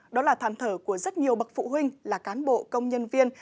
đó là thàn thở của rất nhiều bậc phụ huynh là cán bộ công nhân viên